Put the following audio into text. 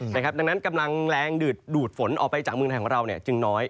ดังนั้นกำลังแรงดูดฝนออกไปจากเมืองไทยของเราจึงน้อย